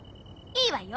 いいわよ。